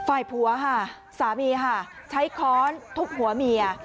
ฝ่ายผัวซามีใช้ค้อนทุกหัวเมีย